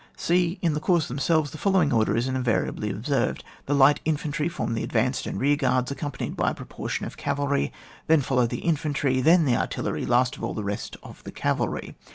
{c) In the corps themselves the follow ing order is invariably observed; the light infantry form the advanced and rear guards, accompanied by a propor tion of cavalry ; then follows the infantry ; then the artillery ; last of aU, the rest of the cavalry.